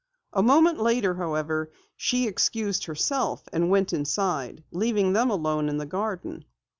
A moment later, however, she excused herself and went inside, leaving them alone in the garden.